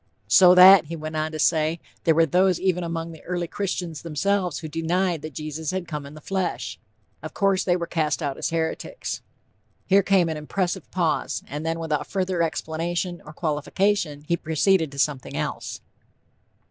'So that,' he went on to say, 'there were those even among the early Christians themselves who denied that Jesus had come in the flesh. Of course, they were cast out as heretics.' Here came an impressive pause, and then without further explanation or qualification, he proceeded to something else."